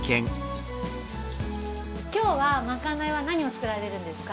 今日はまかないは何を作られるんですか？